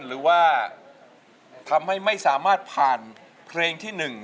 หรือว่าทำให้ไม่สามารถผ่านเพลงที่๑